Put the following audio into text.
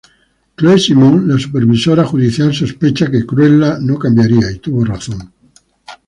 Chloe Simón, la supervisora judicial sospecha que Cruella no cambiaría, y tuvo razón.